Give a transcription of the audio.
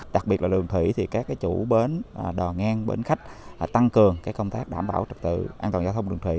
đặc biệt là đường thủy thì các chủ bến đò ngang bến khách tăng cường công tác đảm bảo trật tự an toàn giao thông đường thủy